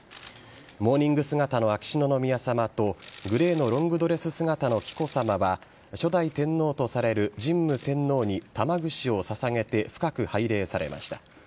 モーニング姿の秋篠宮さまとグレーのロングドレス姿の紀子さまは初代天皇とされる神武天皇に玉串を捧げて深く拝礼されました。